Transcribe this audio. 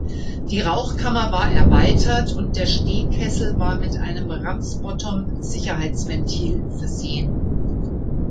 Die Rauchkammer war erweitert und der Stehkessel war mit einem Ramsbottom-Sicherheitsventil versehen.